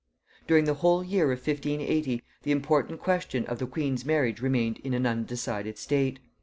During the whole of the year 1580, the important question of the queen's marriage remained in an undecided state.